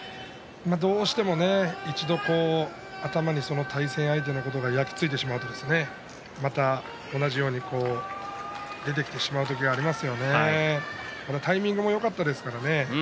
どうしても一度頭に対戦相手のことが焼き付いてしまうと同じようなものが出てきてしてしまうことがありますんでタイミングもよかったですね。